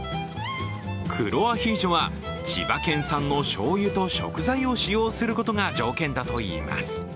黒アヒージョは千葉県産のしょうゆと食材を使用することが条件だといいます。